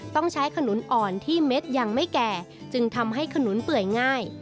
ต้องใช้ขนุนอ่อนที่เม็ดยังไม่แก่จึงทำให้ขนุนเปื่อยง่าย